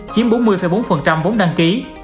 chiếm bốn mươi bốn vốn đăng ký